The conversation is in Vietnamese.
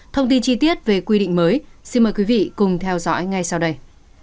thông tin chi tiết về quy định mới xin mời quý vị cùng theo dõi ngay sau đây